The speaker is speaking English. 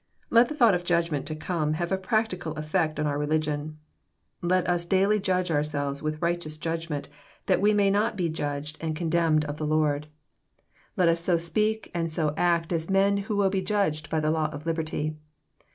Let the thought of judgment to come have a practical effect on our religion. Let us daily judge ourselves with righteous judgment, that we may not be judged and con<« 374 EXFOSITOBT THOUGHTS. demned of the Lord. Let us so speak and so act as men who will be judged by the law of liberty.